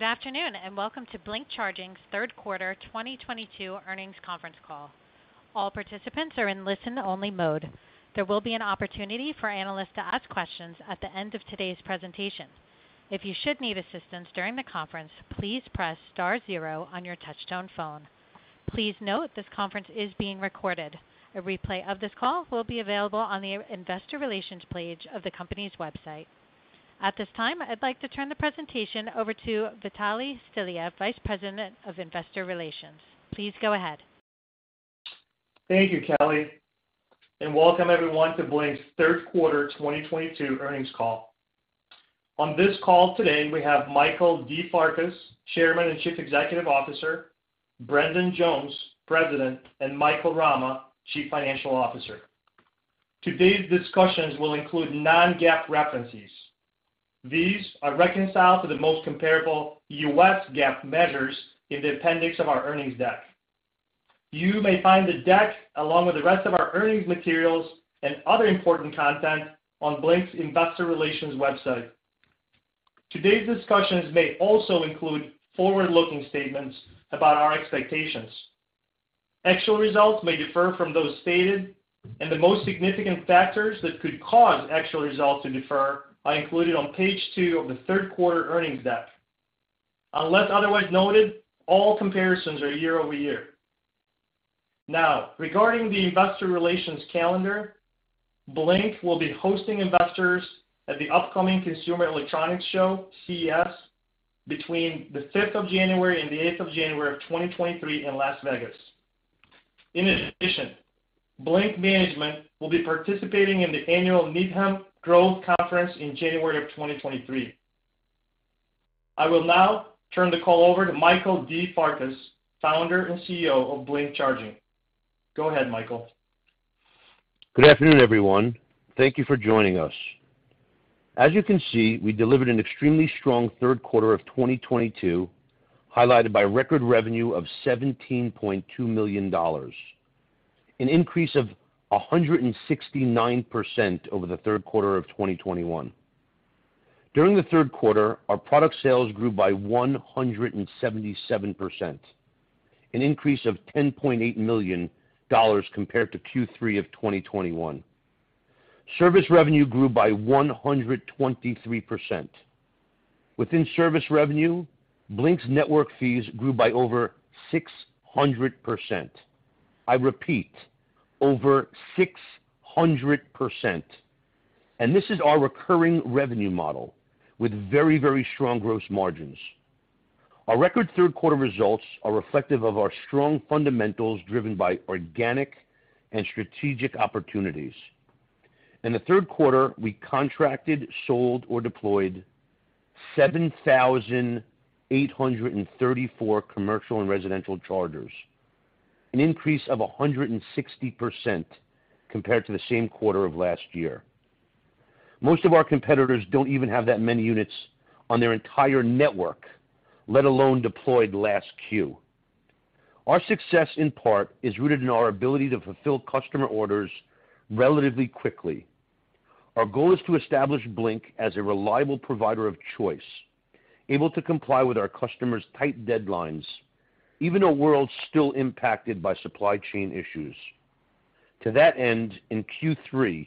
Good afternoon, and welcome to Blink Charging's Third Quarter 2022 Earnings Conference Call. All participants are in listen-only mode. There will be an opportunity for analysts to ask questions at the end of today's presentation. If you should need assistance during the conference, please press star zero on your touchtone phone. Please note this conference is being recorded. A replay of this call will be available on the investor relations page of the company's website. At this time, I'd like to turn the presentation over to Vitalie Stelea, Vice President of Investor Relations. Please go ahead. Thank you, Kelly, and welcome everyone to Blink's Third Quarter 2022 Earnings Call. On this call today we have Michael D. Farkas, Chairman and Chief Executive Officer, Brendan Jones, President, and Michael Rama, Chief Financial Officer. Today's discussions will include non-GAAP references. These are reconciled to the most comparable U.S. GAAP measures in the appendix of our earnings deck. You may find the deck, along with the rest of our earnings materials and other important content on Blink's Investor relations website. Today's discussions may also include forward-looking statements about our expectations. Actual results may differ from those stated, and the most significant factors that could cause actual results to differ are included on page two of the third quarter earnings deck. Unless otherwise noted, all comparisons are year-over-year. Now regarding the investor relations calendar, Blink will be hosting investors at the upcoming Consumer Electronics Show, CES, between January 5 and January 8, 2023 in Las Vegas. In addition, Blink management will be participating in the annual Needham Growth Conference in January 2023. I will now turn the call over to Michael D. Farkas, Founder and CEO of Blink Charging. Go ahead, Michael. Good afternoon, everyone. Thank you for joining us. As you can see, we delivered an extremely strong third quarter of 2022, highlighted by record revenue of $17.2 million, an increase of 169% over the third quarter of 2021. During the third quarter, our product sales grew by 177%, an increase of $10.8 million compared to Q3 of 2021. Service revenue grew by 123%. Within service revenue, Blink's network fees grew by over 600%. I repeat, over 600%. This is our recurring revenue model with very, very strong gross margins. Our record third quarter results are reflective of our strong fundamentals, driven by organic and strategic opportunities. In the third quarter, we contracted, sold, or deployed 7,834 commercial and residential chargers, an increase of 160% compared to the same quarter of last year. Most of our competitors don't even have that many units on their entire network, let alone deployed last Q. Our success, in part, is rooted in our ability to fulfill customer orders relatively quickly. Our goal is to establish Blink as a reliable provider of choice, able to comply with our customers' tight deadlines, even in a world still impacted by supply chain issues. To that end, in Q3,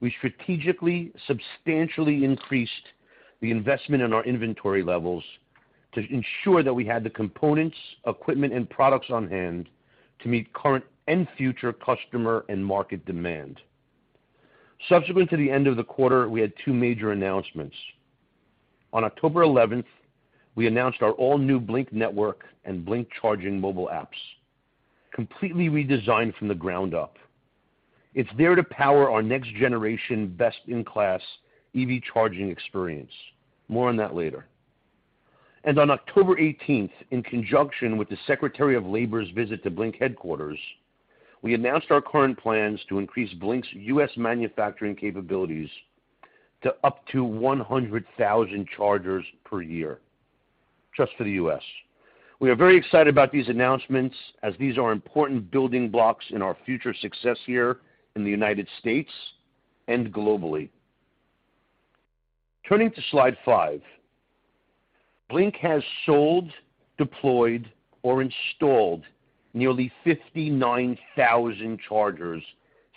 we strategically substantially increased the investment in our inventory levels to ensure that we had the components, equipment, and products on hand to meet current and future customer and market demand. Subsequent to the end of the quarter, we had two major announcements. On October 11th, we announced our all-new Blink Network and Blink Charging mobile apps, completely redesigned from the ground up. It's there to power our next-generation best-in-class EV charging experience. More on that later. On October 18th, in conjunction with the Secretary of Labor's visit to Blink headquarters, we announced our current plans to increase Blink's U.S. manufacturing capabilities to up to 100,000 chargers per year just for the U.S. We are very excited about these announcements as these are important building blocks in our future success here in the United States and globally. Turning to slide five, Blink has sold, deployed or installed nearly 59,000 chargers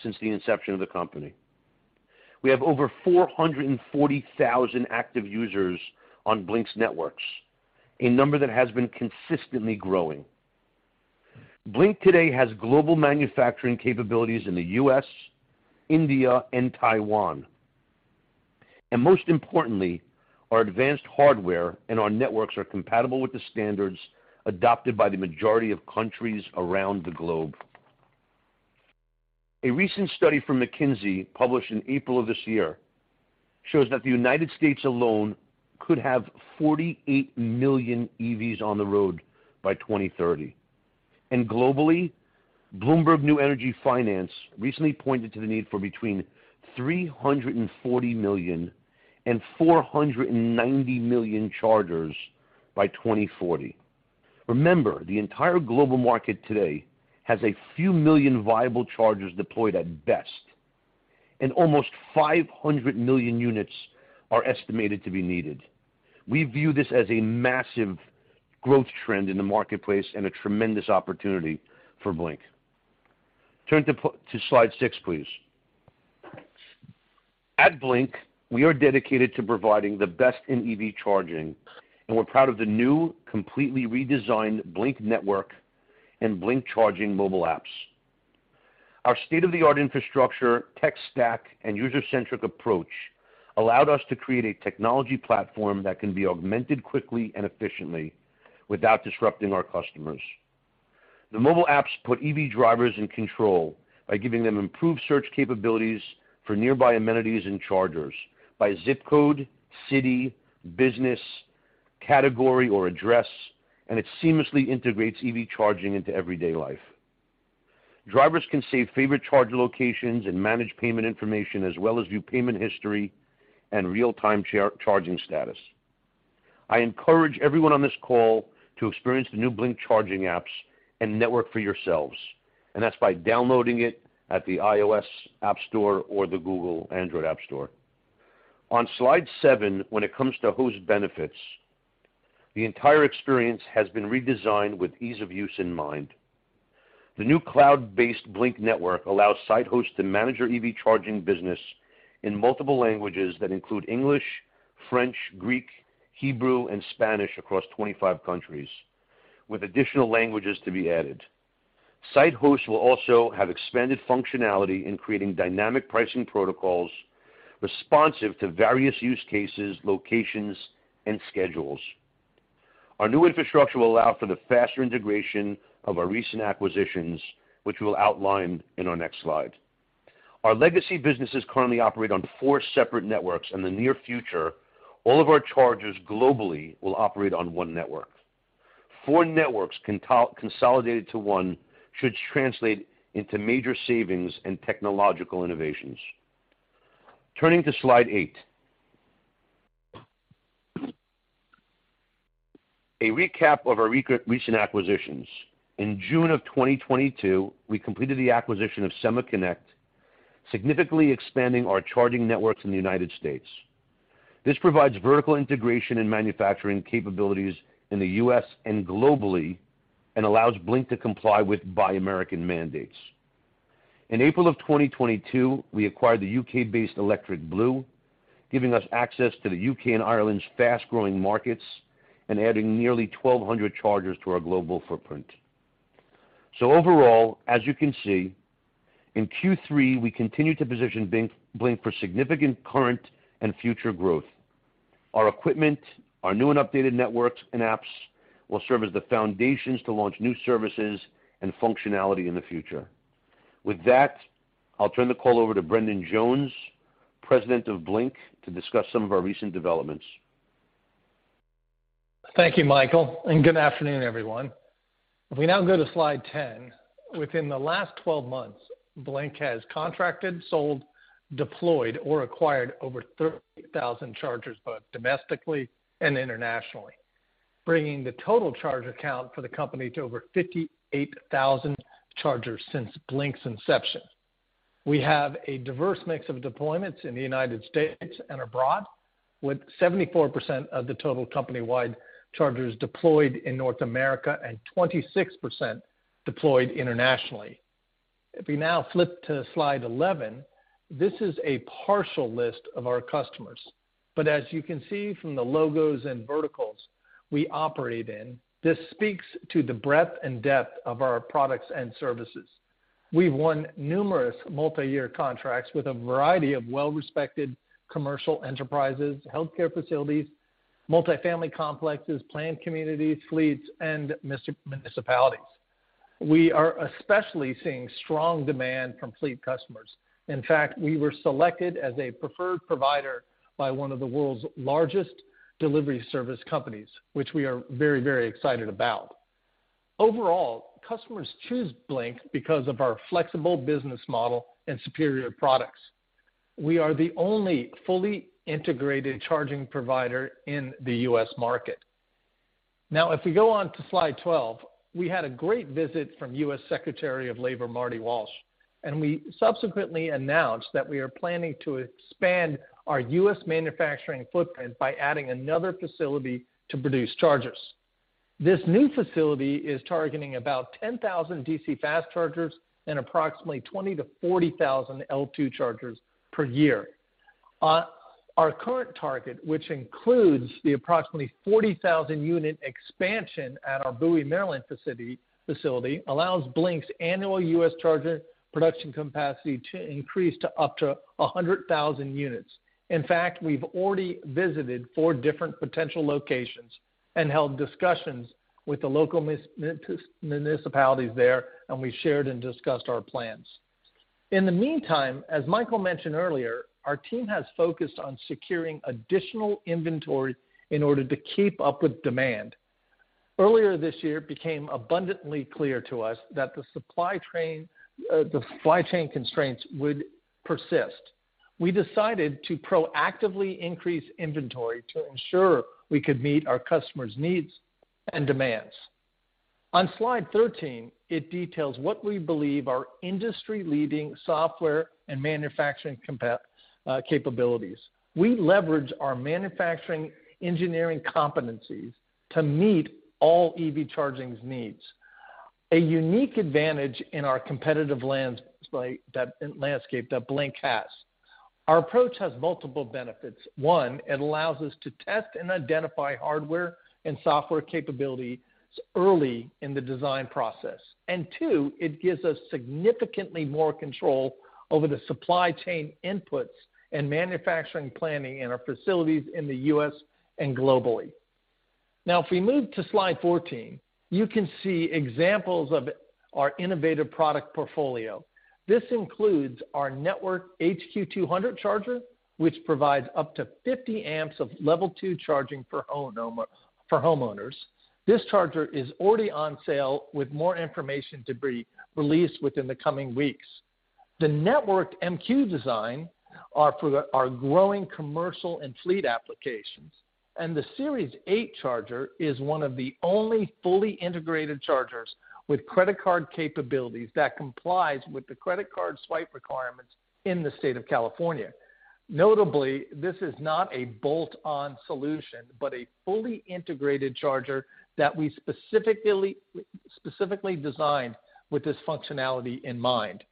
since the inception of the company. We have over 440,000 active users on Blink's networks, a number that has been consistently growing. Blink today has global manufacturing capabilities in the U.S., India, and Taiwan. Most importantly, our advanced hardware and our networks are compatible with the standards adopted by the majority of countries around the globe. A recent study from McKinsey, published in April of this year, shows that the United States alone could have 48 million EVs on the road by 2030. Globally, Bloomberg New Energy Finance recently pointed to the need for between 340 million and 490 million chargers by 2040. Remember, the entire global market today has a few million viable chargers deployed at best. Almost 500 million units are estimated to be needed. We view this as a massive growth trend in the marketplace and a tremendous opportunity for Blink. Turn to slide six, please. At Blink, we are dedicated to providing the best in EV charging, and we're proud of the new, completely redesigned Blink Network and Blink Charging mobile apps. Our state-of-the-art infrastructure, tech stack, and user-centric approach allowed us to create a technology platform that can be augmented quickly and efficiently without disrupting our customers. The mobile apps put EV drivers in control by giving them improved search capabilities for nearby amenities and chargers by zip code, city, business, category, or address, and it seamlessly integrates EV charging into everyday life. Drivers can save favorite charger locations and manage payment information as well as view payment history and real-time charging status. I encourage everyone on this call to experience the new Blink Charging apps and network for yourselves, and that's by downloading it at the iOS App Store or Google Play. On slide seven, when it comes to host benefits, the entire experience has been redesigned with ease of use in mind. The new cloud-based Blink Network allows site hosts to manage their EV charging business in multiple languages that include English, French, Greek, Hebrew, and Spanish across 25 countries, with additional languages to be added. Site hosts will also have expanded functionality in creating dynamic pricing protocols responsive to various use cases, locations, and schedules. Our new infrastructure will allow for the faster integration of our recent acquisitions, which we'll outline in our next slide. Our legacy businesses currently operate on four separate networks. In the near future, all of our chargers globally will operate on one network. Four networks consolidated to one should translate into major savings and technological innovations. Turning to slide eight. A recap of our recent acquisitions. In June 2022, we completed the acquisition of SemaConnect, significantly expanding our charging networks in the United States. This provides vertical integration and manufacturing capabilities in the U.S. and globally and allows Blink to comply with Buy American mandates. In April 2022, we acquired the U.K.-based Electric Blue, giving us access to the U.K. and Ireland's fast-growing markets and adding nearly 1,200 chargers to our global footprint. Overall, as you can see, in Q3, we continued to position Blink for significant current and future growth. Our equipment, our new and updated networks and apps will serve as the foundations to launch new services and functionality in the future. With that, I'll turn the call over to Brendan Jones, President of Blink, to discuss some of our recent developments. Thank you, Michael, and good afternoon, everyone. If we now go to slide 10, within the last 12 months, Blink has contracted, sold, deployed, or acquired over 38,000 chargers, both domestically and internationally, bringing the total charger count for the company to over 58,000 chargers since Blink's inception. We have a diverse mix of deployments in the United States and abroad, with 74% of the total company-wide chargers deployed in North America and 26% deployed internationally. If we now flip to slide 11, this is a partial list of our customers, but as you can see from the logos and verticals we operate in, this speaks to the breadth and depth of our products and services. We've won numerous multiyear contracts with a variety of well-respected commercial enterprises, healthcare facilities, multifamily complexes, planned communities, fleets, and municipalities. We are especially seeing strong demand from fleet customers. In fact, we were selected as a preferred provider by one of the world's largest delivery service companies, which we are very, very excited about. Overall, customers choose Blink because of our flexible business model and superior products. We are the only fully integrated charging provider in the U.S. market. Now, if we go on to slide 12, we had a great visit from U.S. Secretary of Labor Marty Walsh, and we subsequently announced that we are planning to expand our U.S. manufacturing footprint by adding another facility to produce chargers. This new facility is targeting about 10,000 DC fast chargers and approximately 20,000-40,000 L2 chargers per year. Our current target, which includes the approximately 40,000 unit expansion at our Bowie, Maryland facility, allows Blink's annual US charger production capacity to increase to up to 100,000 units. In fact, we've already visited four different potential locations and held discussions with the local municipalities there, and we shared and discussed our plans. In the meantime, as Michael mentioned earlier, our team has focused on securing additional inventory in order to keep up with demand. Earlier this year, it became abundantly clear to us that the supply chain constraints would persist. We decided to proactively increase inventory to ensure we could meet our customers' needs and demands. On slide 13, it details what we believe are industry-leading software and manufacturing capabilities. We leverage our manufacturing engineering competencies to meet all EV charging's needs, a unique advantage in our competitive landscape that Blink has. Our approach has multiple benefits. One, it allows us to test and identify hardware and software capabilities early in the design process. Two, it gives us significantly more control over the supply chain inputs and manufacturing planning in our facilities in the US and globally. Now, if we move to slide 14, you can see examples of our innovative product portfolio. This includes our network HQ 200 charger, which provides up to 50 amps of Level 2 charging for homeowners. This charger is already on sale, with more information to be released within the coming weeks. The new MQ Design is for our growing commercial and fleet applications, and the Series 8 charger is one of the only fully integrated chargers with credit card capabilities that complies with the credit card swipe requirements in the state of California. Notably, this is not a bolt-on solution, but a fully integrated charger that we specifically designed with this functionality in mind.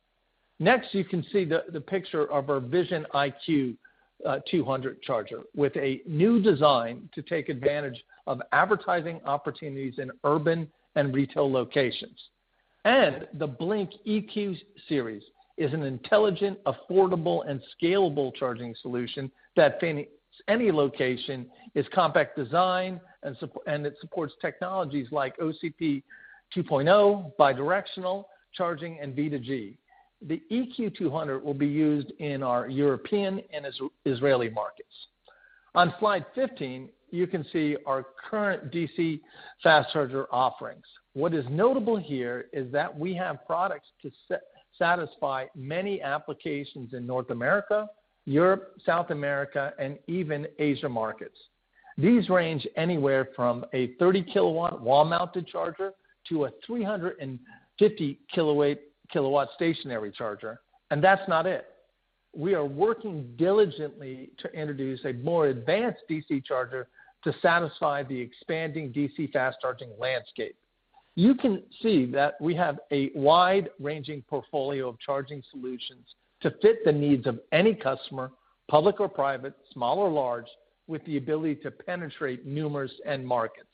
Next, you can see the picture of our IQ 200 charger with a new design to take advantage of advertising opportunities in urban and retail locations. The Blink EQ Series is an intelligent, affordable, and scalable charging solution that fits any location, its compact design, and it supports technologies like OCPP 2.0, bidirectional charging, and V2G. The EQ 200 will be used in our European and Israeli markets. On slide 15, you can see our current DC fast charger offerings. What is notable here is that we have products to satisfy many applications in North America, Europe, South America, and even Asia markets. These range anywhere from a 30 kW wall-mounted charger to a 350 kW stationary charger, and that's not it. We are working diligently to introduce a more advanced DC charger to satisfy the expanding DC fast charging landscape. You can see that we have a wide-ranging portfolio of charging solutions to fit the needs of any customer, public or private, small or large, with the ability to penetrate numerous end markets.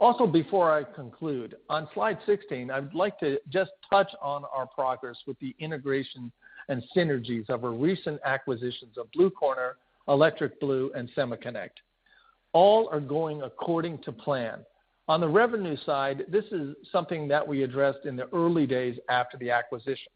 Also, before I conclude, on slide 16, I'd like to just touch on our progress with the integration and synergies of our recent acquisitions of Blue Corner, Electric Blue, and SemaConnect. All going according to plan. On the revenue side, this is something that we addressed in the early days after the acquisition.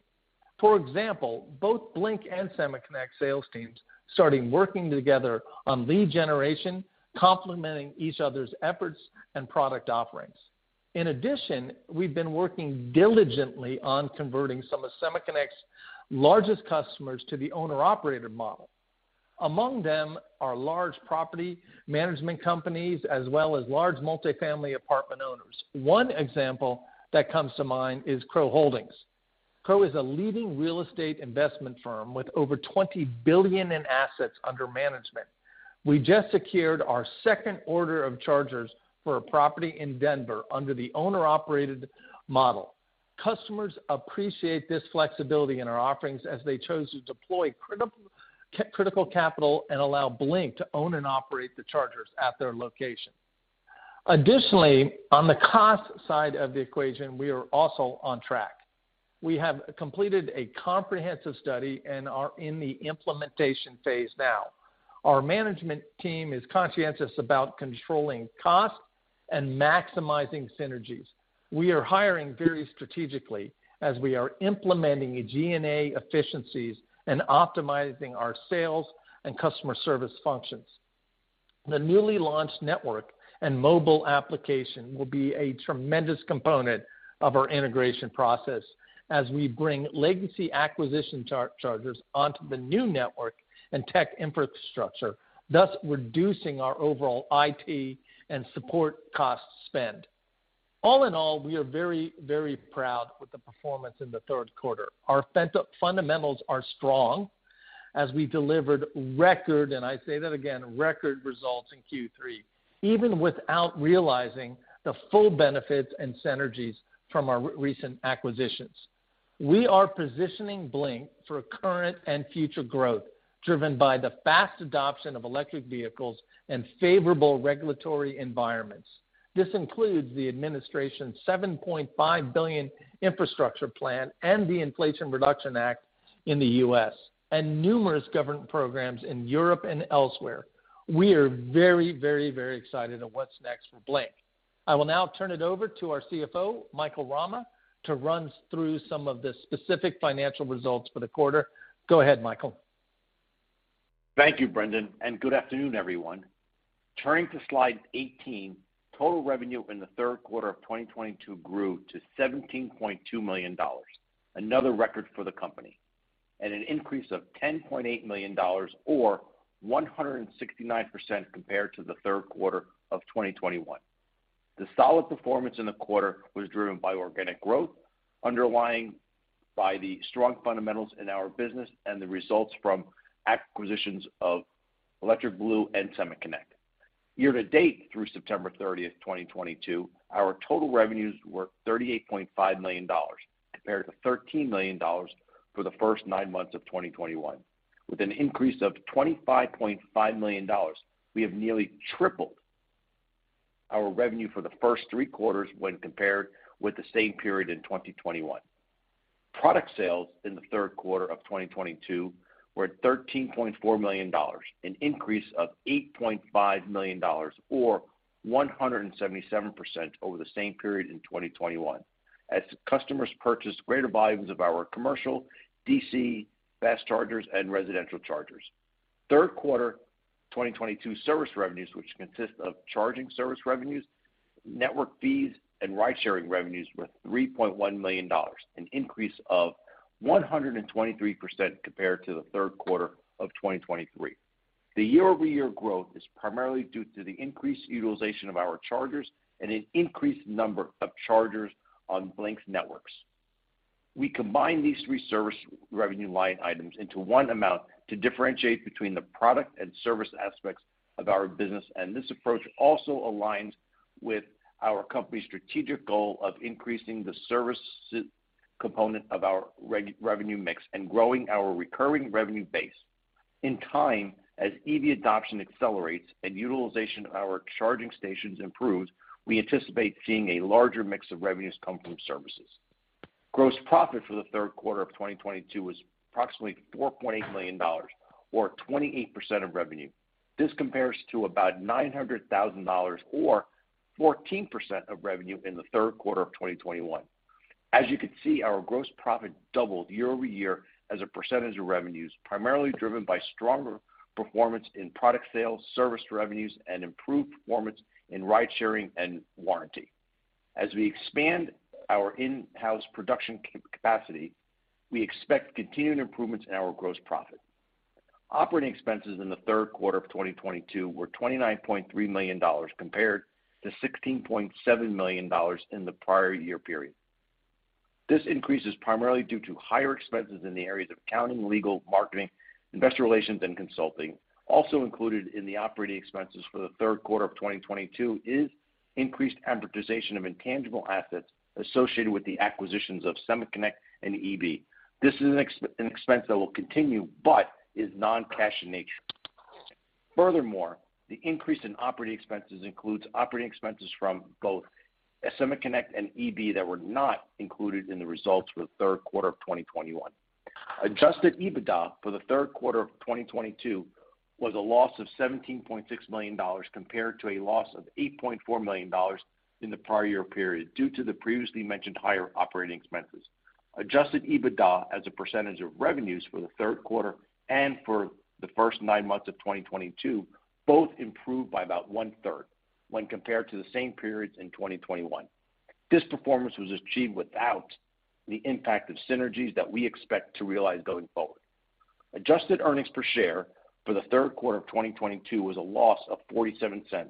For example, both Blink and SemaConnect sales teams started working together on lead generation, complementing each other's efforts and product offerings. In addition, we've been working diligently on converting some of SemaConnect's largest customers to the owner-operated model. Among them are large property management companies, as well as large multifamily apartment owners. One example that comes to mind is Crow Holdings. Crow is a leading real estate investment firm with over $20 billion in assets under management. We just secured our second order of chargers for a property in Denver under the owner-operated model. Customers appreciate this flexibility in our offerings as they chose to deploy critical capital and allow Blink to own and operate the chargers at their location. Additionally, on the cost side of the equation, we are also on track. We have completed a comprehensive study and are in the implementation phase now. Our management team is conscientious about controlling costs and maximizing synergies. We are hiring very strategically as we are implementing G&A efficiencies and optimizing our sales and customer service functions. The newly launched network and mobile application will be a tremendous component of our integration process as we bring legacy acquisition chargers onto the new network and tech infrastructure, thus reducing our overall IT and support cost-spend. All in all, we are very, very proud with the performance in the third quarter. Our fundamentals are strong as we delivered record, and I say that again, record results in Q3, even without realizing the full benefits and synergies from our recent acquisitions. We are positioning Blink for current and future growth, driven by the fast adoption of electric vehicles and favorable regulatory environments. This includes the administration's $7.5 billion infrastructure plan and the Inflation Reduction Act in the US, and numerous government programs in Europe and elsewhere. We are very excited at what's next for Blink. I will now turn it over to our CFO, Michael Rama, to run through some of the specific financial results for the quarter. Go ahead, Michael. Thank you, Brendan, and good afternoon, everyone. Turning to slide 18, total revenue in the third quarter of 2022 grew to $17.2 million, another record for the company and an increase of $10.8 million or 169% compared to the third quarter of 2021. The solid performance in the quarter was driven by organic growth underpinned by the strong fundamentals in our business and the results from acquisitions of Electric Blue and SemaConnect. Year to date through September 30, 2022, our total revenues were $38.5 million compared to $13 million for the first 9 months of 2021. With an increase of $25.5 million, we have nearly tripled our revenue for the first 3 quarters when compared with the same period in 2021. Product sales in the third quarter of 2022 were $13.4 million, an increase of $8.5 million or 177% over the same period in 2021 as customers purchased greater volumes of our commercial DC fast chargers and residential chargers. Third quarter 2022 service revenues, which consist of charging service revenues, network fees, and ride-sharing revenues, were $3.1 million, an increase of 123% compared to the third quarter of 2021. The year-over-year growth is primarily due to the increased utilization of our chargers and an increased number of chargers on Blink's networks. We combine these three service revenue line items into one amount to differentiate between the product and service aspects of our business, and this approach also aligns with our company's strategic goal of increasing the service component of our recurring revenue mix and growing our recurring revenue base. In time, as EV adoption accelerates and utilization of our charging stations improves, we anticipate seeing a larger mix of revenues come from services. Gross profit for the third quarter of 2022 was approximately $4.8 million or 28% of revenue. This compares to about $900,000 or 14% of revenue in the third quarter of 2021. As you can see, our gross profit doubled year-over-year as a percentage of revenues, primarily driven by stronger performance in product sales, service revenues, and improved performance in ride-sharing and warranty. As we expand our in-house production capacity, we expect continuing improvements in our gross profit. Operating expenses in the third quarter of 2022 were $29.3 million compared to $16.7 million in the prior year period. This increase is primarily due to higher expenses in the areas of accounting, legal, marketing, investor relations and consulting. Also included in the operating expenses for the third quarter of 2022 is increased amortization of intangible assets associated with the acquisitions of SemaConnect and EB. This is an expense that will continue but is non-cash in nature. Furthermore, the increase in operating expenses includes operating expenses from both SemaConnect and EB that were not included in the results for the third quarter of 2021. Adjusted EBITDA for the third quarter of 2022 was a loss of $17.6 million compared to a loss of $8.4 million in the prior year period due to the previously mentioned higher operating expenses. Adjusted EBITDA as a percentage of revenues for the third quarter and for the first nine months of 2022 both improved by about 1/3 when compared to the same periods in 2021. This performance was achieved without the impact of synergies that we expect to realize going forward. Adjusted earnings per share for the third quarter of 2022 was a loss of $0.47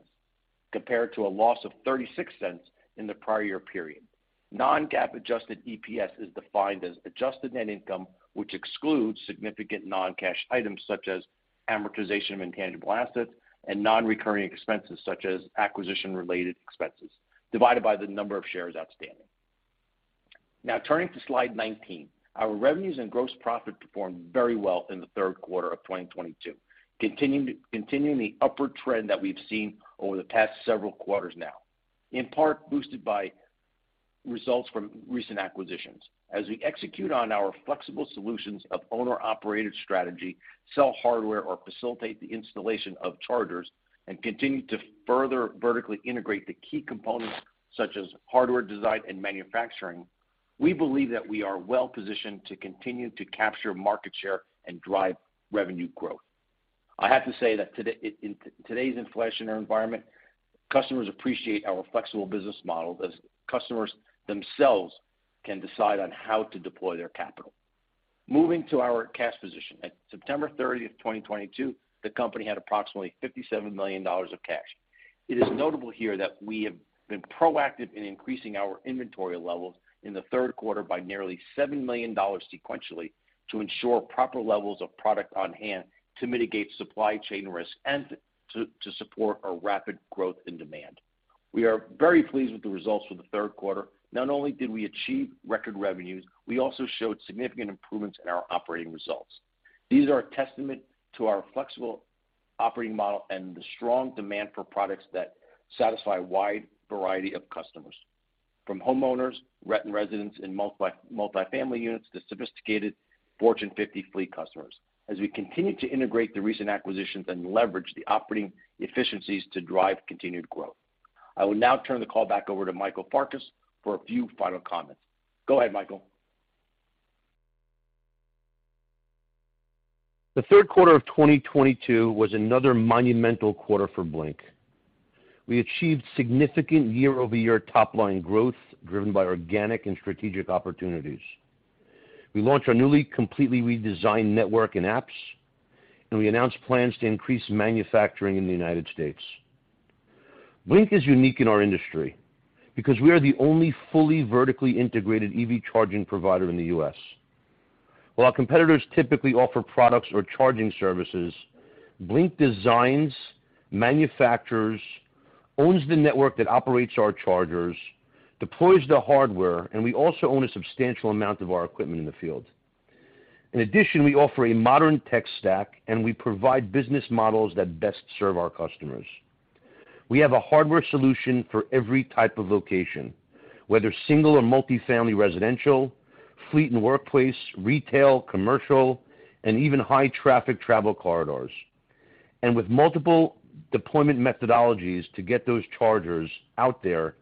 compared to a loss of $0.36 in the prior year period. Non-GAAP adjusted EPS is defined as adjusted net income, which excludes significant non-cash items such as amortization of intangible assets and non-recurring expenses such as acquisition related expenses divided by the number of shares outstanding. Now turning to slide 19. Our revenues and gross profit performed very well in the third quarter of 2022, continuing the upward trend that we've seen over the past several quarters now, in part boosted by results from recent acquisitions. As we execute on our flexible solutions of owner-operated strategy, sell hardware or facilitate the installation of chargers and continue to further vertically integrate the key components such as hardware design and manufacturing, we believe that we are well positioned to continue to capture market share and drive revenue growth. I have to say that today in today's inflationary environment, customers appreciate our flexible business model as customers themselves can decide on how to deploy their capital. Moving to our cash position. At September 30, 2022, the company had approximately $57 million of cash. It is notable here that we have been proactive in increasing our inventory levels in the third quarter by nearly $7 million sequentially to ensure proper levels of product on hand to mitigate supply chain risk and to support our rapid growth in demand. We are very pleased with the results for the third quarter. Not only did we achieve record revenues, we also showed significant improvements in our operating results. These are a testament to our flexible operating model and the strong demand for products that satisfy a wide variety of customers, from homeowners, residents in multifamily units to sophisticated Fortune 50 fleet customers. As we continue to integrate the recent acquisitions and leverage the operating efficiencies to drive continued growth. I will now turn the call back over to Michael Farkas for a few final comments. Go ahead, Michael. The third quarter of 2022 was another monumental quarter for Blink. We achieved significant year-over-year top-line growth driven by organic and strategic opportunities. We launched our newly completely redesigned network and apps, and we announced plans to increase manufacturing in the United States. Blink is unique in our industry because we are the only fully vertically integrated EV charging provider in the U.S. While our competitors typically offer products or charging services, Blink designs, manufactures, owns the network that operates our chargers, deploys the hardware, and we also own a substantial amount of our equipment in the field. In addition, we offer a modern tech stack, and we provide business models that best serve our customers. We have a hardware solution for every type of location, whether single or multi-family, residential, fleet and workplace, retail, commercial, and even high traffic travel corridors. With multiple deployment methodologies to get those chargers out there,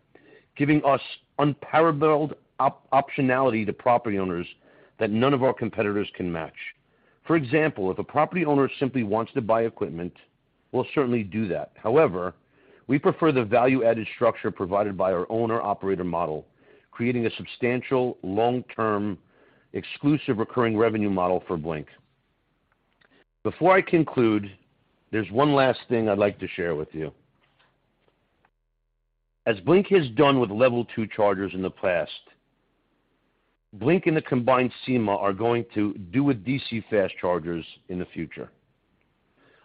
giving us unparalleled optionality to property owners that none of our competitors can match. For example, if a property owner simply wants to buy equipment, we'll certainly do that. However, we prefer the value-added structure provided by our owner-operator model, creating a substantial long-term exclusive recurring revenue model for Blink. Before I conclude, there's one last thing I'd like to share with you. As Blink has done with Level 2 chargers in the past, Blink and the combined SemaConnect are going to do with DC fast chargers in the future.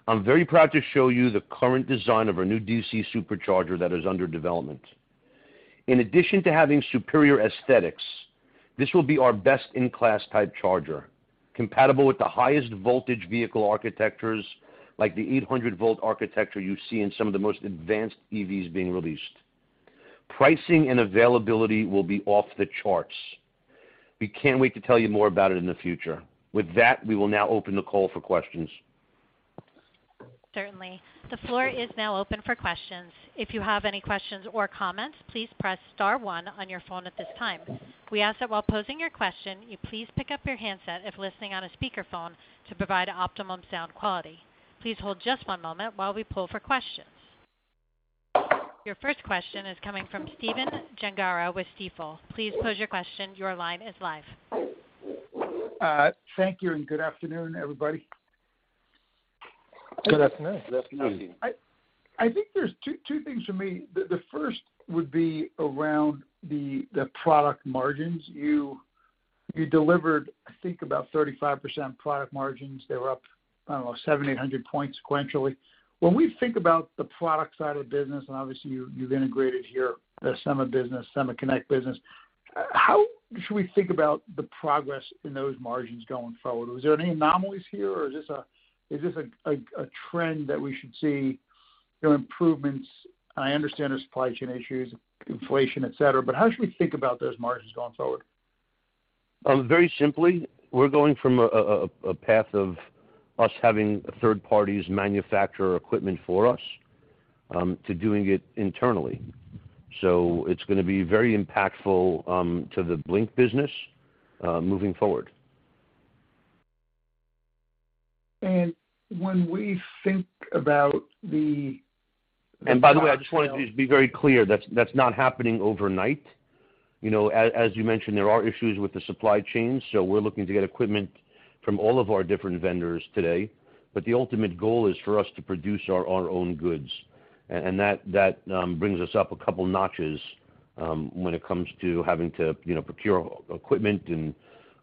I'm very proud to show you the current design of our new DC supercharger that is under development. In addition to having superior aesthetics, this will be our best-in-class type charger, compatible with the highest voltage vehicle architectures like the 800-volt architecture you see in some of the most advanced EVs being released. Pricing and availability will be off the charts. We can't wait to tell you more about it in the future. With that, we will now open the call for questions. Certainly. The floor is now open for questions. If you have any questions or comments, please press star one on your phone at this time. We ask that while posing your question, you please pick up your handset if listening on a speakerphone to provide optimum sound quality. Please hold just one moment while we poll for questions. Your first question is coming from Stephen Gengaro with Stifel. Please pose your question. Your line is live. Thank you, and good afternoon, everybody. Good afternoon. Good afternoon. I think there's two things for me. The first would be around the product margins. You delivered, I think about 35% product margins. They were up, I don't know, 700-800 points sequentially. When we think about the product side of the business and obviously you've integrated here the SemaConnect business, how should we think about the progress in those margins going forward? Was there any anomalies here, or is this a trend that we should see, you know, improvements? I understand there's supply chain issues, inflation, et cetera, but how should we think about those margins going forward? Very simply, we're going from a path of us having third parties manufacture equipment for us to doing it internally. It's gonna be very impactful to the Blink business moving forward. When we think about the-- By the way, I just wanted to just be very clear, that's not happening overnight. You know, as you mentioned, there are issues with the supply chain, so we're looking to get equipment from all of our different vendors today. The ultimate goal is for us to produce our own goods. That brings us up a couple notches when it comes to having to, you know, procure equipment and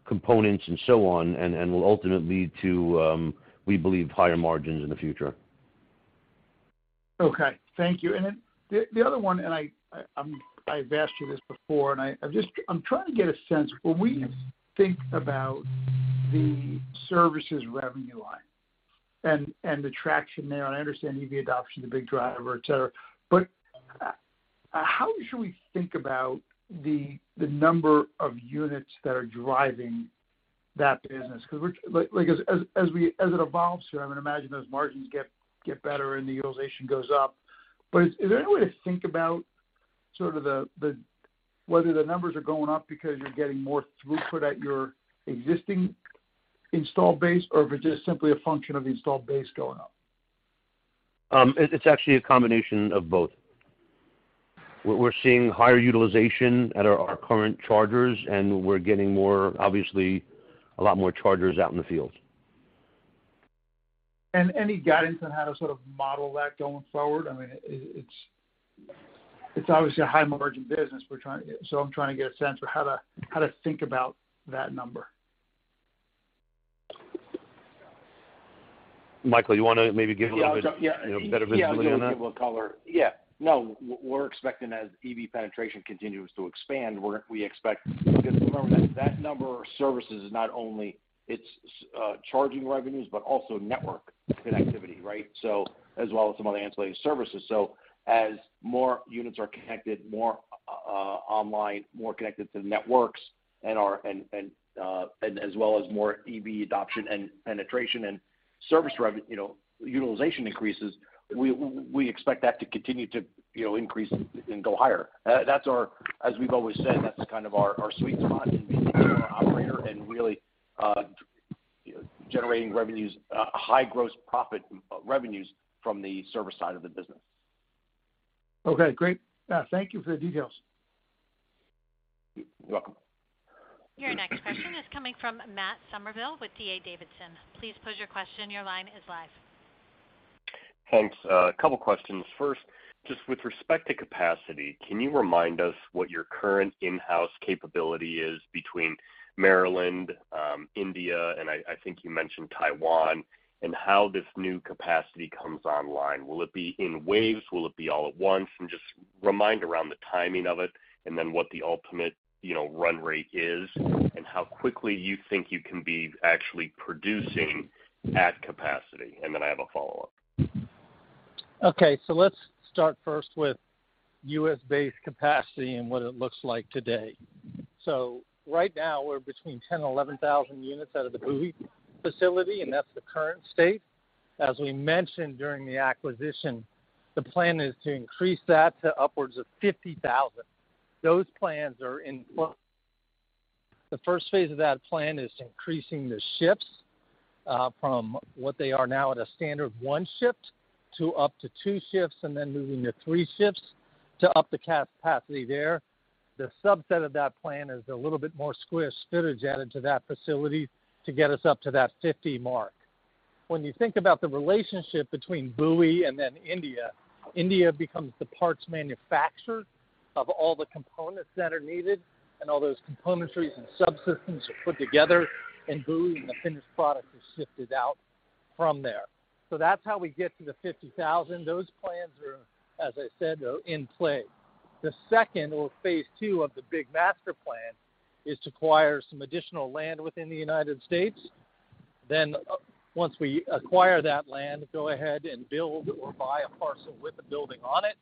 components and so on, and will ultimately lead to, we believe, higher margins in the future. Okay. Thank you. The other one, I've asked you this before, I'm just trying to get a sense, when we think about the services revenue line and the traction there, and I understand EV adoption is a big driver, et cetera. How should we think about the number of units that are driving that business? Because we're like, as it evolves here, I would imagine those margins get better and the utilization goes up. Is there any way to think about sort of whether the numbers are going up because you're getting more throughput at your existing install base, or if it's just simply a function of the install base going up? It's actually a combination of both. We're seeing higher utilization at our current chargers, and we're getting more, obviously, a lot more chargers out in the field. Any guidance on how to sort of model that going forward? I mean, it's obviously a high-margin business. I'm trying to get a sense for how to think about that number. Michael, you wanna maybe give a little bit. Yeah. You know, better visibility on that? I'll give a color. No, we're expecting as EV penetration continues to expand, we expect. Remember that number of services is not only charging revenues, but also network connectivity, right? As well as some other ancillary services. As more units are connected more online, more connected to the networks, and as well as more EV adoption and penetration, and service utilization increases, we expect that to continue to, you know, increase and go higher. As we've always said, that's kind of our sweet spot in being an operator, and really. Generating revenues, high gross profit, revenues from the service side of the business. Okay, great. Thank you for the details. You're welcome. Your next question is coming from Matt Summerville with D.A. Davidson. Please pose your question. Your line is live. Thanks. A couple questions. First, just with respect to capacity, can you remind us what your current in-house capability is between Maryland, India, and I think you mentioned Taiwan, and how this new capacity comes online? Will it be in waves? Will it be all at once? And just remind around the timing of it and then what the ultimate, you know, run rate is, and how quickly you think you can be actually producing at capacity. And then I have a follow-up. Let's start first with US-based capacity and what it looks like today. Right now we're between 10 and 11,000 units out of the Bowie facility, and that's the current state. As we mentioned during the acquisition, the plan is to increase that to upwards of 50,000. Those plans are in. The first phase of that plan is increasing the shifts from what they are now at a standard one shift to up to two shifts, and then moving to three shifts to up the capacity there. The subset of that plan is a little bit more square footage added to that facility to get us up to that 50 mark. When you think about the relationship between Bowie and then India becomes the parts manufacturer of all the components that are needed and all those components and subsystems are put together in Bowie, and the finished product is shipped out from there. That's how we get to the 50,000. Those plans are, as I said, in play. The second or phase 2 of the big master plan is to acquire some additional land within the United States. Once we acquire that land, go ahead and build or buy a parcel with a building on it.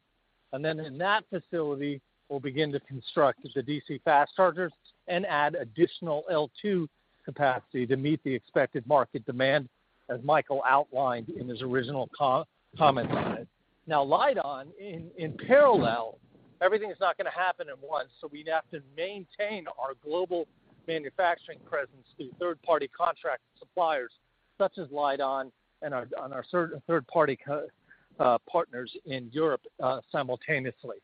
In that facility, we'll begin to construct the DC fast chargers and add additional L2 capacity to meet the expected market demand, as Michael outlined in his original comment on it. Now, Lite-On, in parallel, everything is not gonna happen at once, so we'd have to maintain our global manufacturing presence through third-party contract suppliers such as Lite-On and our third-party partners in Europe, simultaneously.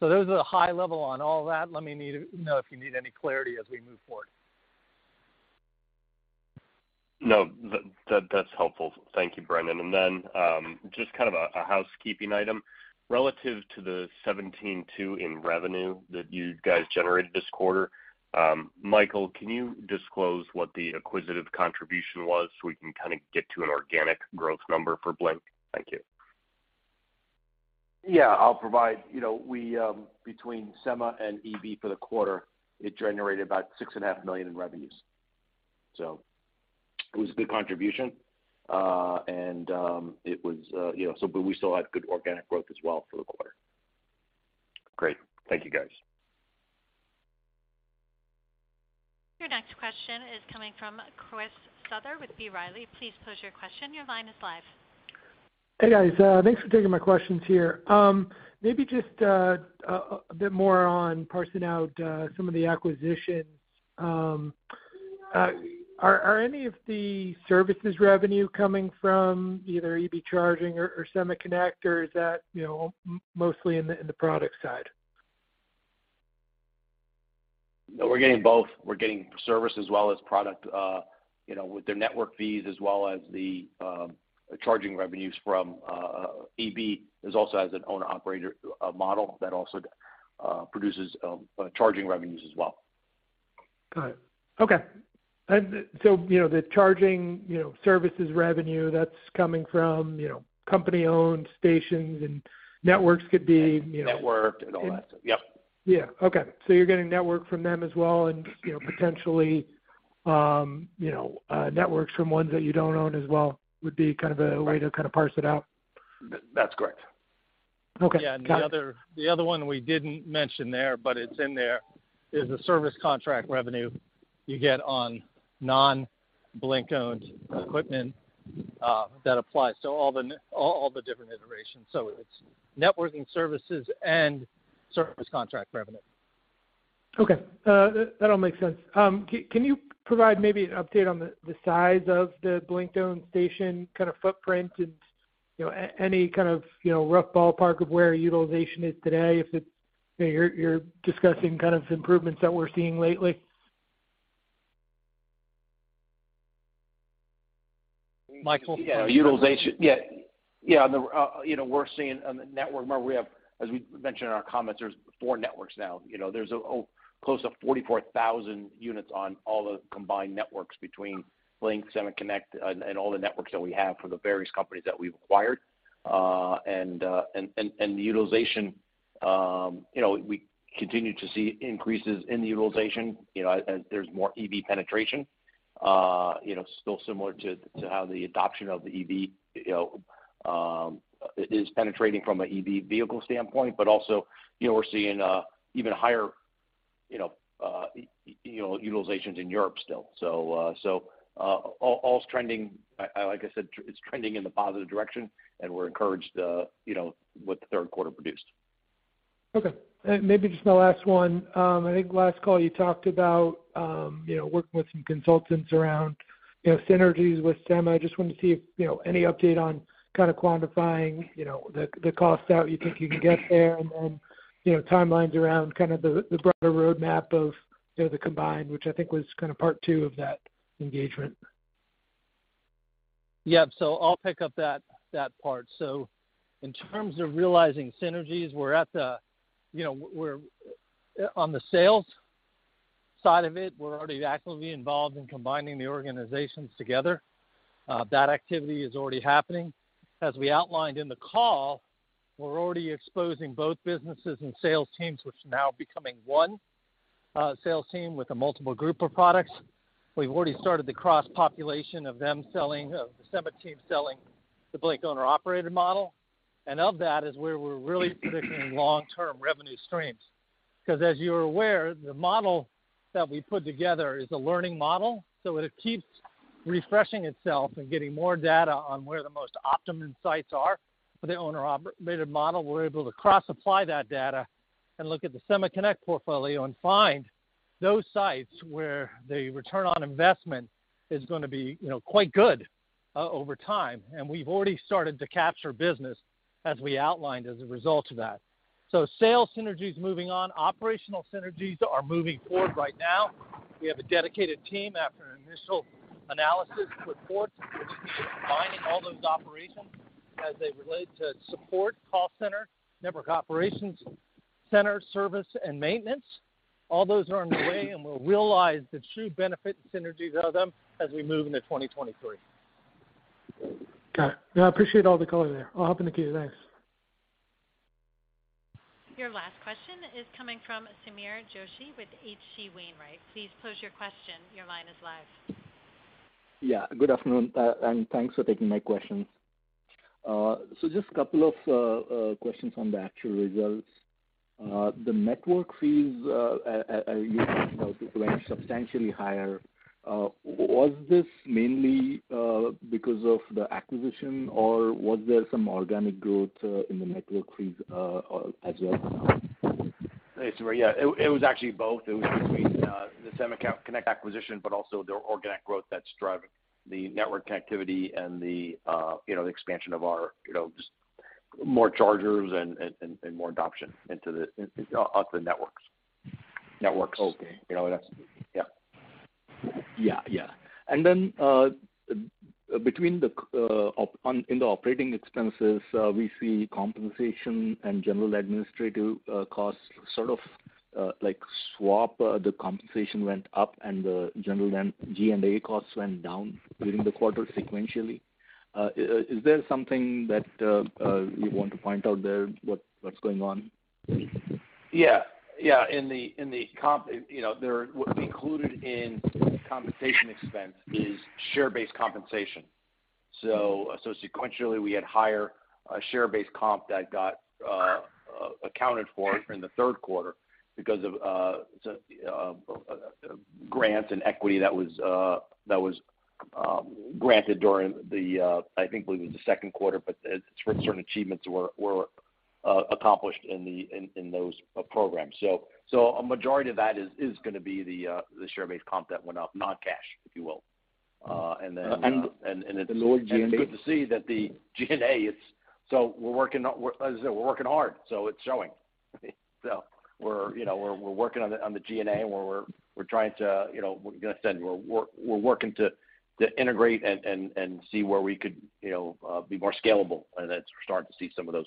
Those are the high level on all that. Let me know if you need any clarity as we move forward. No. That's helpful. Thank you, Brendan. Just kind of a housekeeping item. Relative to the $17.2 million in revenue that you guys generated this quarter, Michael, can you disclose what the acquisitive contribution was so we can kinda get to an organic growth number for Blink? Thank you. You know, between SemaConnect and EB Charging for the quarter, it generated about $6.5 million in revenues. It was a good contribution. You know, but we still had good organic growth as well for the quarter. Great. Thank you, guys. Your next question is coming from Christopher Souther with B. Riley. Please pose your question. Your line is live. Hey, guys. Thanks for taking my questions here. Maybe just a bit more on parsing out some of the acquisitions. Are any of the services revenue coming from either EB Charging or SemaConnect or is that, you know, mostly in the product side? No, we're getting both. We're getting service as well as product, you know, with their network fees as well as the charging revenues from EB. It also has an owner-operator model that also produces charging revenues as well. Got it. Okay. You know, the charging, you know, services revenue that's coming from, you know, company-owned stations and networks could be, you know-- Networked and all that. Yeah. Yeah. Okay. You're getting network from them as well and, you know, potentially, you know, networks from ones that you don't own as well, would be kind of a way to kind of parse it out? That's correct. Okay. Got it. Yeah. The other one we didn't mention there, but it's in there, is the service contract revenue you get on non-Blink-owned equipment, that applies to all the different iterations. It's networking services and service contract revenue. Okay. That all makes sense. Can you provide maybe an update on the size of the Blink-owned station kind of footprint and, you know, any kind of, you know, rough ballpark of where utilization is today, if it's, you know, you're discussing kind of improvements that we're seeing lately? Michael? Yeah. Utilization. Yeah. We're seeing on the network, remember we have, as we mentioned in our comments, there's four networks now. You know, there's close to 44,000 units on all the combined networks between Blink, SemaConnect and all the networks that we have for the various companies that we've acquired. The utilization, you know, we continue to see increases in the utilization, you know, as there's more EV penetration, you know, still similar to how the adoption of the EV, you know, is penetrating from an EV vehicle standpoint. Also, you know, we're seeing even higher, you know, utilizations in Europe still. All is trending. Like I said, it's trending in the positive direction, and we're encouraged, you know, what the third quarter produced. Okay. Maybe just my last one. I think last call you talked about, you know, working with some consultants around, you know, synergies with SemaConnect. I just wanted to see if, you know, any update on kinda quantifying, you know, the cost out you think you can get there and then, you know, timelines around kind of the broader roadmap of, you know, the combined, which I think was kinda part two of that engagement. I'll pick up that part. In terms of realizing synergies, on the sales side of it, we're already actively involved in combining the organizations together. That activity is already happening. As we outlined in the call, we're already exposing both businesses and sales teams, which are now becoming one sales team with a multiple group of products. We've already started the cross-population of the SemaConnect team selling the Blink owner-operated model. Of that is where we're really predicting long-term revenue streams. Because as you're aware, the model that we put together is a learning model, so it keeps refreshing itself and getting more data on where the most optimum sites are for the owner-operated model. We're able to cross-apply that data and look at the SemaConnect portfolio and find those sites where the return on investment is gonna be, you know, quite good over time. We've already started to capture business as we outlined as a result of that. Sales synergies moving on. Operational synergies are moving forward right now. We have a dedicated team after an initial analysis report, which is combining all those operations as they relate to support, call center, network operations center, service and maintenance. All those are underway, and we'll realize the true benefit and synergies of them as we move into 2023. Got it. No, I appreciate all the color there. All help in the queue. Thanks. Your last question is coming from Sameer Joshi with H.C. Wainwright. Please pose your question, your line is live. Yeah. Good afternoon, and thanks for taking my questions. Just couple of questions on the actual results. The network fees you talked about went substantially higher. Was this mainly because of the acquisition, or was there some organic growth in the network fees as well? Thanks, Sameer. Yeah, it was actually both. It was basically the SemaConnect acquisition, but also the organic growth that's driving the network activity and the, you know, the expansion of our, you know, just more chargers and more adoption of the networks. Okay. You know, that's. Yeah. In the operating expenses, we see compensation and general administrative costs sort of like swap. The compensation went up, and the general and G&A costs went down during the quarter sequentially. Is there something that you want to point out there, what's going on? Yeah. You know, what we included in compensation expense is share-based compensation. Sequentially, we had higher share-based comp that got accounted for in the third quarter because of grants and equity that was granted during the, I think it was the second quarter, but for certain achievements were accomplished in those programs. A majority of that is gonna be the share-based comp that went up, not cash, if you will. Then-- The lower G&A? It's good to see that the G&A is. We're working, as I said, we're working hard, so it's showing. You know, we're working on the G&A, and we're working to integrate and see where we could, you know, be more scalable, and we're starting to see some of those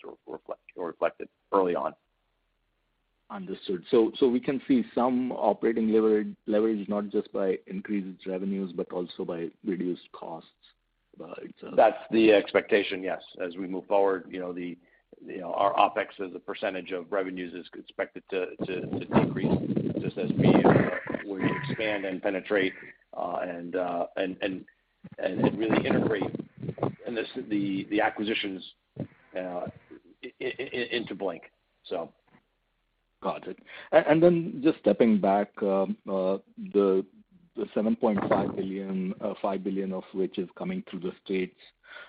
reflected early on. Understood. We can see some operating leverage, not just by increased revenues, but also by reduced costs. That's the expectation, yes. As we move forward, you know, our OpEx as a percentage of revenues is expected to decrease just as we expand and penetrate and really integrate the acquisitions into Blink. So. Got it. Just stepping back, the $7.5 billion, $5 billion of which is coming through the states,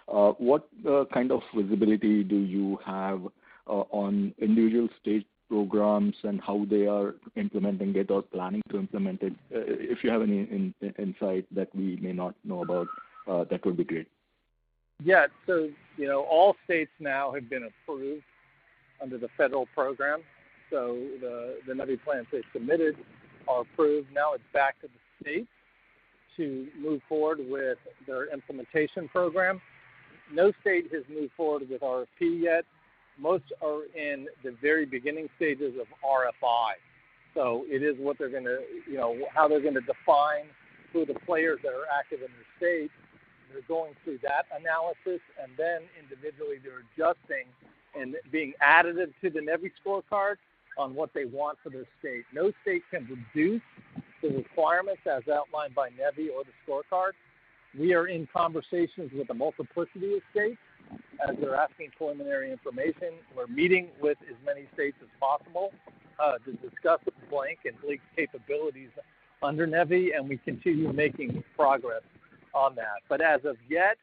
what kind of visibility do you have on individual state programs and how they are implementing it or planning to implement it? If you have any insight that we may not know about, that would be great. Yeah. You know, all states now have been approved under the federal program. The NEVI plans they submitted are approved. Now it's back to the state to move forward with their implementation program. No state has moved forward with RFP yet. Most are in the very beginning stages of RFI. It is what they're gonna, you know, how they're gonna define who the players that are active in their state. They're going through that analysis, and then individually, they're adjusting and being additive to the NEVI scorecard on what they want for their state. No state can reduce the requirements as outlined by NEVI or the scorecard. We are in conversations with a multiplicity of states as they're asking preliminary information. We're meeting with as many states as possible to discuss Blink and Blink's capabilities under NEVI, and we continue making progress on that. As of yet,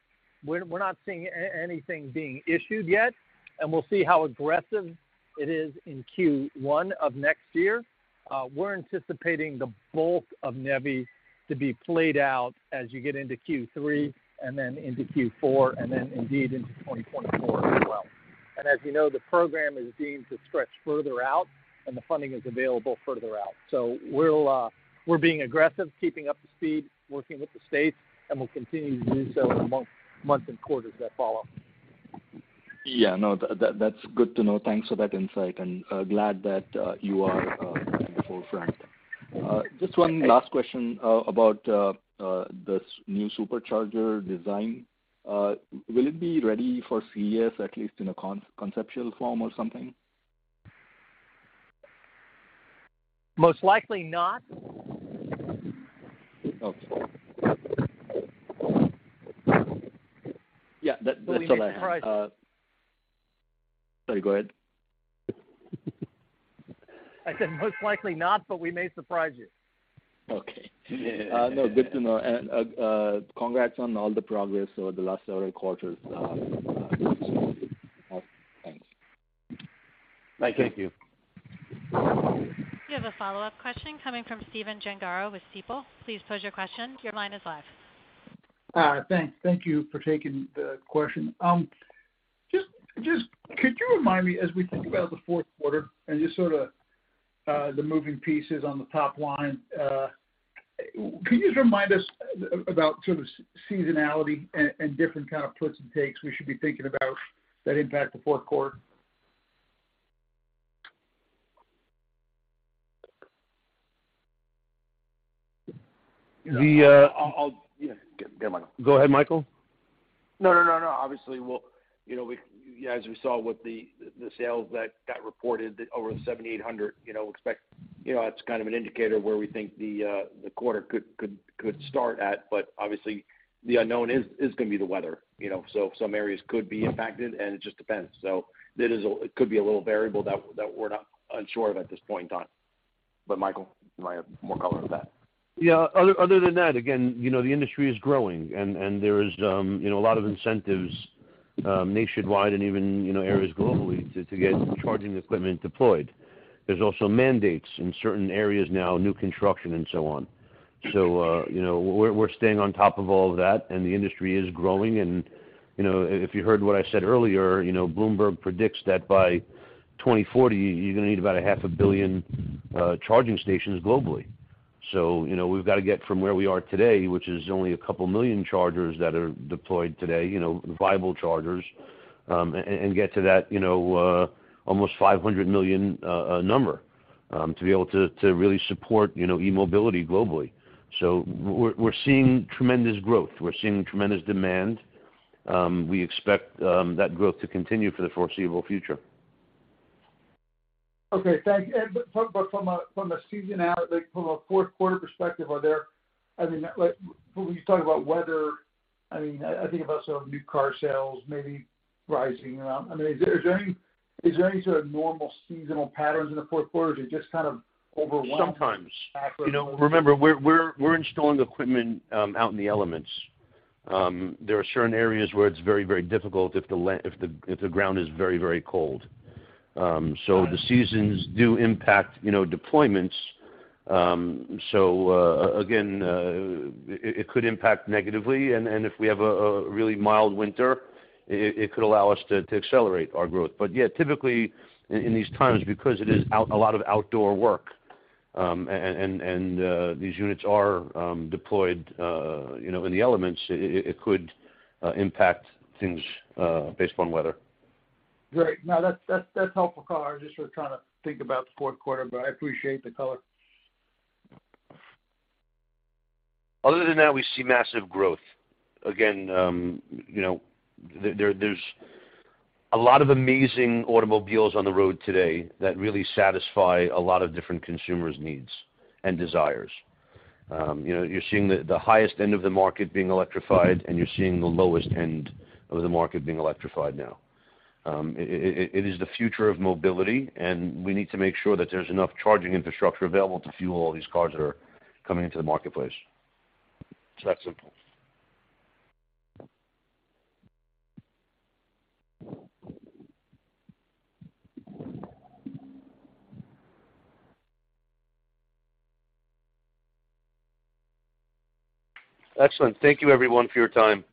we're not seeing anything being issued yet, and we'll see how aggressive it is in Q1 of next year. We're anticipating the bulk of NEVI to be played out as you get into Q3 and then into Q4, and then indeed into 2024 as well. As you know, the program is deemed to stretch further out, and the funding is available further out. We'll be aggressive, keeping up the speed, working with the states, and we'll continue to do so in the months and quarters that follow. Yeah, no, that's good to know. Thanks for that insight, and glad that you are in the forefront. Just one last question about this new supercharger design. Will it be ready for CES, at least in a conceptual form or something? Most likely not. Okay. Yeah, that's all I had. We may surprise you. Sorry, go ahead. I said most likely not, but we may surprise you. Okay. No, good to know. Congrats on all the progress over the last several quarters. Thanks. Thank you. Thank you. We have a follow-up question coming from Stephen Gengaro with Stifel. Please pose your question. Your line is live. All right. Thank you for taking the question. Just could you remind me, as we think about the fourth quarter and just sorta the moving pieces on the top line, could you just remind us about sort of seasonality and different kind of puts and takes we should be thinking about that impact the fourth quarter? The, uh-- Yeah, go Michael. Go ahead, Michael. No, no, no. Obviously, we'll, you know. Yeah, as we saw with the sales that got reported over the 7,800, you know, that's kind of an indicator of where we think the quarter could start at, but obviously the unknown is gonna be the weather, you know. Some areas could be impacted, and it just depends. It could be a little variable that we're not unsure of at this point in time. Michael, you might have more color on that. Yeah. Other than that, again, you know, the industry is growing and there is, you know, a lot of incentives, nationwide and even, you know, areas globally to get charging equipment deployed. There's also mandates in certain areas now, new construction and so on. You know, we're staying on top of all of that, and the industry is growing. You know, if you heard what I said earlier, you know, Bloomberg predicts that by 2040 you're gonna need about 500 million charging stations globally. You know, we've got to get from where we are today, which is only a couple million chargers that are deployed today, you know, viable chargers, and get to that, you know, number, to be able to really support, you know, e-mobility globally. We're seeing tremendous growth. We're seeing tremendous demand. We expect that growth to continue for the foreseeable future. Okay, thank you. But from a seasonality, from a fourth quarter perspective, are there I mean, like when you talk about weather, I mean, I think about sort of new car sales maybe rising. I mean, is there any sort of normal seasonal patterns in the fourth quarter, or is it just kind of overwhelmed. Sometimes. You know, remember, we're installing equipment out in the elements. There are certain areas where it's very, very difficult if the ground is very, very cold. The seasons do impact, you know, deployments. It could impact negatively, and if we have a really mild winter, it could allow us to accelerate our growth. Yeah, typically in these times, because it is a lot of outdoor work, and these units are deployed, you know, in the elements, it could impact things based on weather. Great. No, that's helpful color. I was just sort of trying to think about the fourth quarter, but I appreciate the color. Other than that, we see massive growth. Again, you know, there's a lot of amazing automobiles on the road today that really satisfy a lot of different consumers' needs and desires. You know, you're seeing the highest end of the market being electrified, and you're seeing the lowest end of the market being electrified now. It is the future of mobility, and we need to make sure that there's enough charging infrastructure available to fuel all these cars that are coming into the marketplace. It's that simple. Excellent. Thank you everyone for your time.